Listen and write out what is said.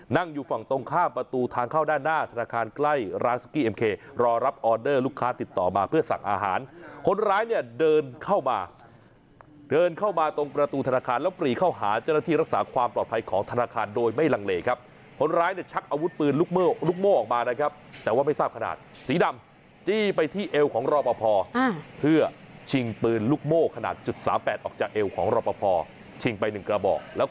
นั่งอยู่ฝั่งตรงข้ามประตูทางเข้าด้านหน้าธนาคารใกล้ร้านสุกี้เอ็มเคร์รอรับออเดอร์ลูกค้าติดต่อมาเพื่อสั่งอาหารคนร้ายเนี้ยเดินเข้ามาเดินเข้ามาตรงประตูธนาคารแล้วกรีเข้าหาเจ้าหน้าที่รักษาความปลอดภัยของธนาคารโดยไม่ลังเลครับคนร้ายเนี้ยชักอาวุธปืนลูกโม่ลูกโม่ออกมานะครับแต่ว่